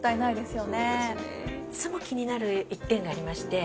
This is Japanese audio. いつも気になる一点がありまして。